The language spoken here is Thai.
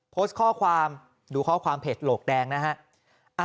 โพสต์ข้อความดูข้อความเพจโหลกแดงนะฮะ